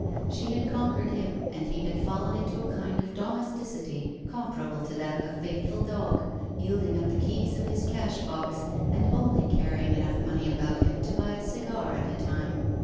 She had conquered him, and he had fallen into a kind of domesticity comparable to that of a faithful dog, yielding up the keys of his cashbox, and only carrying enough money about him to buy a cigar at a time.